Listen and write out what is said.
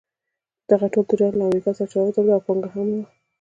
دغه ټول تجارت له امریکا سره تړاو درلود او پانګه یې هم وه.